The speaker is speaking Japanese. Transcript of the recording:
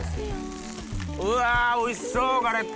うわおいしそうガレット。